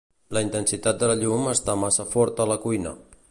La intensitat de la llum està massa forta a la cuina.